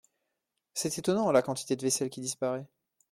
C’est étonnant, la quantité de vaisselle qui disparaît…